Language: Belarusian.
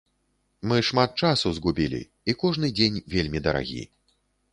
Мы шмат часу згубілі, і кожны дзень вельмі дарагі.